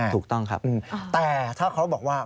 ถูกต้องครับแต่ถ้าเขาบอกว่า